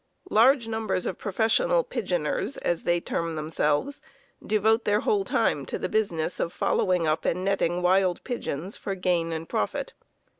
Large numbers of professional "pigeoners," as they term themselves, devote their whole time to the business of following up and netting wild pigeons for gain and profit.